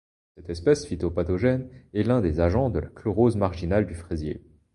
Cette espèce phytopathogène est l'un des agents de la chlorose marginale du fraisier.